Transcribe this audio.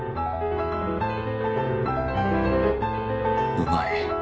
うまい。